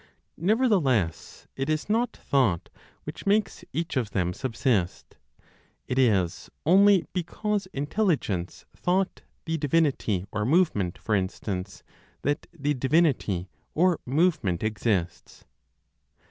Nevertheless, it is not thought which makes each of them subsist; it is only because intelligence thought the divinity or movement, for instance, that the divinity or movement exists.